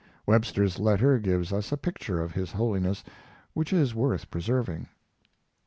Webster's letter gives us a picture of his Holiness which is worth preserving.